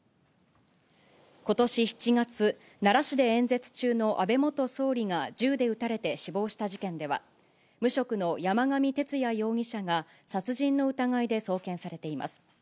ことし７月、奈良市で演説中の安倍元総理が銃で撃たれて死亡した事件では、無職の山上徹也容疑者が殺人の疑いで送検されています。